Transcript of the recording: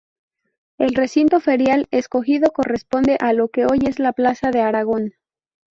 El recinto ferial escogido corresponde a lo que hoy es la Plaza de Aragón.